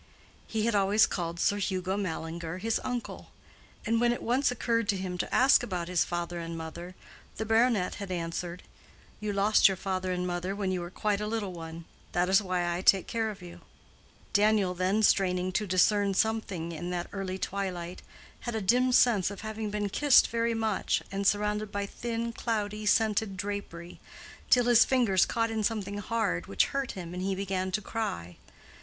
He had always called Sir Hugo Mallinger his uncle, and when it once occurred to him to ask about his father and mother, the baronet had answered, "You lost your father and mother when you were quite a little one; that is why I take care of you." Daniel then straining to discern something in that early twilight, had a dim sense of having been kissed very much, and surrounded by thin, cloudy, scented drapery, till his fingers caught in something hard, which hurt him, and he began to cry.